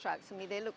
truk ini terlihat